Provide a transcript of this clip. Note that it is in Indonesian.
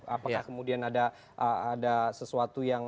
apakah kemudian ada sesuatu yang